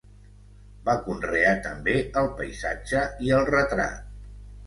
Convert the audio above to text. Va conrear també el paisatge i el retrat.